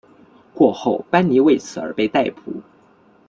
过后班尼为此而被逮捕。